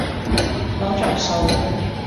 攞著數